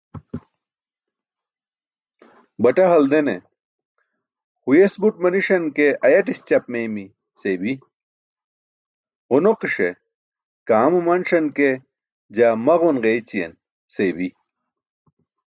Baṭa haldene: "huyes buṭ maniṣan ke ayaṭis ćaap meeymi" seybi, ġunonikiṣe: "kaam umanṣan ke jaa maġun ġeeyćiyen" seybi.